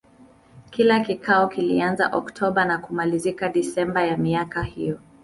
Kila kikao kilianza Oktoba na kumalizika Desemba ya miaka hiyo.